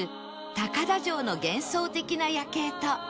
高田城の幻想的な夜景と